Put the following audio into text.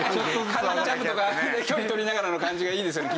軽いジャブとか距離とりながらの感じがいいですよね